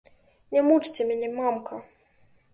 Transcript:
Не мучце мяне, мамка!